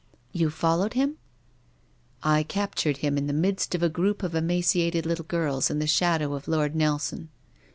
" You followed him ?"" I captured him in the midst of a group of emaciated little girls in the shadow of Lord Nelson.